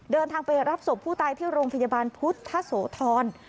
เดินทางไปรับศพผู้ตายที่โรงพยาบาลพุทธโสธร